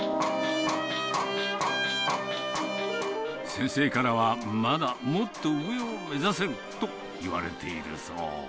先生からは、まだ、もっと上を目指せると言われているそう。